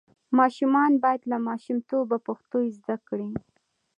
ماشومان باید له ماشومتوبه پښتو زده کړي.